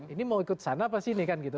ini mau ikut sana apa sini kan gitu